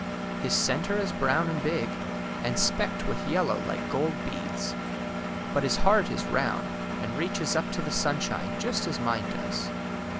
His centre is brown and big, and specked with yellow like gold beads. But his heart is round, and reaches up to the sunshine just as mine does."